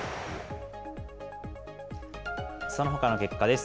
そのほかの結果です。